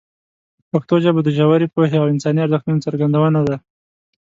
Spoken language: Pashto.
پښتو ژبه د ژورې پوهې او انساني ارزښتونو څرګندونه ده.